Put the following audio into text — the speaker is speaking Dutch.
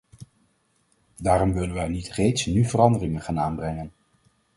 Daarom willen wij niet reeds nu veranderingen gaan aanbrengen.